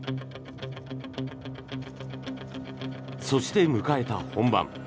そして迎えた本番。